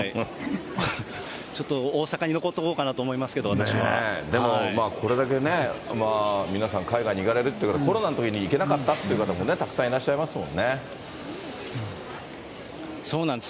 ちょっと大阪に残っとこうかなと思いますけど、でもこれだけね、皆さん海外に行かれるってことは、コロナのときに行けなかったっていう方もたくさんいらっしゃいまそうなんです。